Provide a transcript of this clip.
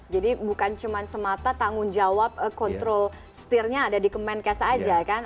jadi bukan cuma semata tanggung jawab kontrol setirnya ada di kemenkes aja kan